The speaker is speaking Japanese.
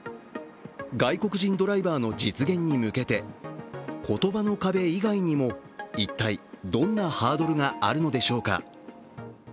外国人ドライバーの実現に向けて、言葉の壁以外にも一体どんなハードルがあるのでしょうか。